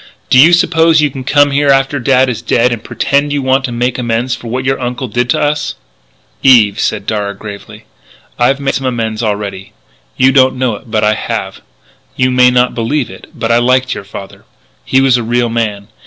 Do you suppose you can come here after Dad is dead and pretend you want to make amends for what your uncle did to us?" "Eve," said Darragh gravely, "I've made some amends already. You don't know it, but I have.... You may not believe it, but I liked your father. He was a real man.